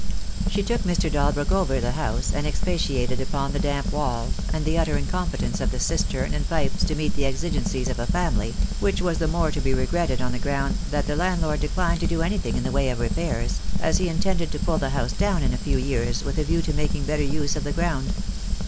She took Mr. Dalbrook over the house, and expatiated upon the damp walls, and the utter incompetence of the SO THE DAY WILL COME. cistern and pipes to meet the exigencies of a family, which was the more to be regretted on the ground that the landlord declined to do anything in the way of repairs, as he intended to pull the house down in a few years with a view to making better use of the ground.